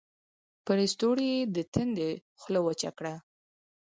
پۀ لستوڼي يې د تندي خوله وچه کړه